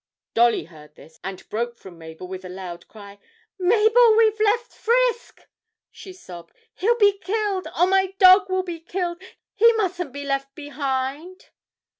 Dolly heard this and broke from Mabel with a loud cry 'Mabel, we've left Frisk!' she sobbed; 'he'll be killed oh, my dog will be killed he mustn't be left behind!'